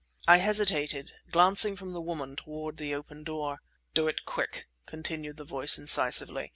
I hesitated, glancing from the woman toward the open door. "Do it quick!" continued the voice incisively.